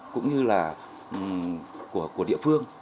cũng như là của địa phương